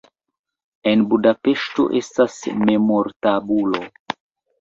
En Budapeŝto estas memortabulo.